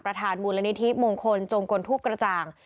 มูลนิธิมงคลจงกลทูปกระจ่าง